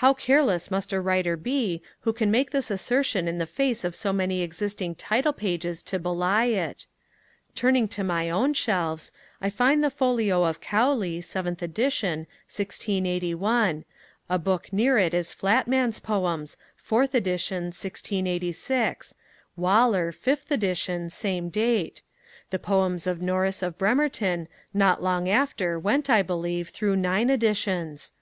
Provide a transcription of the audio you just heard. How careless must a writer be who can make this assertion in the face of so many existing title pages to belie it! Turning to my own shelves, I find the folio of Cowley, seventh edition, 1681. A book near it is Flatman's Poems, fourth edition, 1686, Waller, fifth edition, same date. The Poems of Norris of Bemerton not long after went, I believe, through nine editions.